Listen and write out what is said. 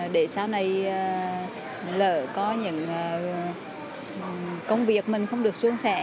để sau này lỡ có những công việc mình không được xuống xẻ